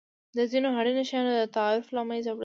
د ځینو اړینو شیانو د تعرفو له مینځه وړل.